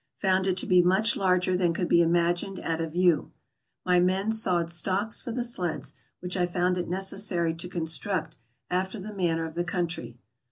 Found it to be much larger than could be imagined at a view. My men sawed stocks for the sleds, which I found it necessary to construct after the manner of the country.